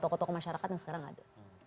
toko toko masyarakat yang sekarang ada